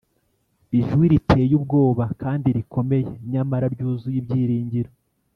, ijwi riteye ubwoba kandi rikomeye, nyamara ryuzuye ibyiringiro :